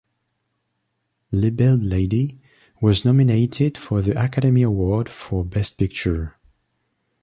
"Libeled Lady" was nominated for the Academy Award for Best Picture.